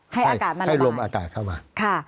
ให้อากาศมันให้ลมอากาศเข้ามา